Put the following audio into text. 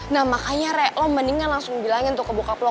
nah makanya re lo mendingan langsung bilangin tuh ke bokap lo